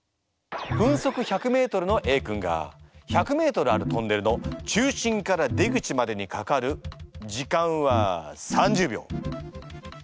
分速１００ｍのＡ君が１００ｍあるトンネルの中心から出口までにかかる時間は３０秒。